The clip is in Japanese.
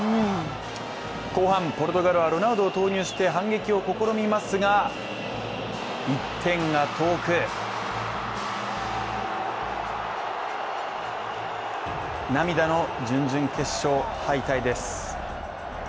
後半、ポルトガルはロナウドを投入して反撃を試みますが１点が遠く涙の準々決勝敗退です。